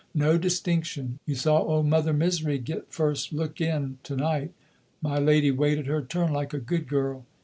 No distinction. You saw old Mother Misery get first look in to night? My lady waited her turn, like a good girl!"